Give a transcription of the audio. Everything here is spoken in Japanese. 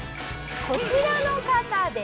こちらの方です。